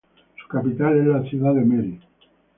Su capital es la ciudad de Mary.